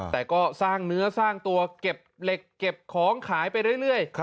แต่ก็สร้างเนื้อสร้างตัวเก็บเหล็กเก็บของขายไปเรื่อย